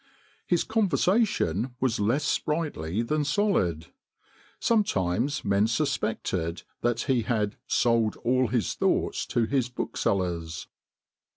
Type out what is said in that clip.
His conversation was less sprightly than solid. Sometimes men suspected that he had 'sold all his thoughts to his booksellers.